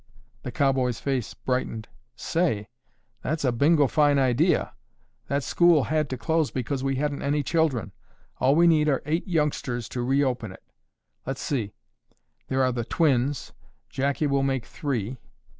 The cowboy's face brightened. "Say, that's a bingo fine idea! That school had to close because we hadn't any children. All we need are eight youngsters to reopen it. Let's see, there are the twins, Jackie will make three."